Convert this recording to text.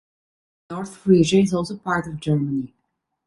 North Frisia is also part of Germany.